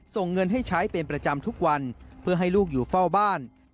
ส่งเงินให้ใช้เป็นประจำทุกวันเพื่อให้ลูกอยู่เฝ้าบ้าน